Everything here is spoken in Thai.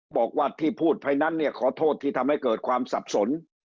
บอกว่าที่พูดไปนั้นเนี่ยขอโทษที่ทำให้เกิดความสับสน